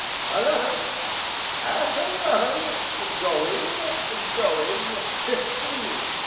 at eleven! at eleven, going going! " "Fifteen!"